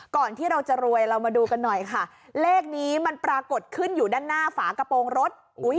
ที่เราจะรวยเรามาดูกันหน่อยค่ะเลขนี้มันปรากฏขึ้นอยู่ด้านหน้าฝากระโปรงรถ